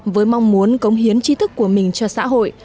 với mong muốn cống hiến trí thức của mình cho xã hội